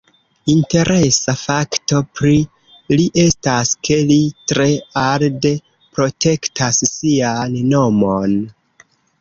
Interesa fakto pri li estas, ke li tre arde protektas sian nomon.